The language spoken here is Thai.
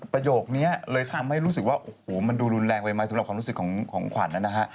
ประโยคนี้เลยทำให้รู้สึกว่าโอ้โหมันดูรุนแรงไปไหมสำหรับความรู้สึกของขวัญนะฮะ